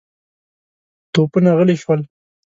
توپونه غلي شول.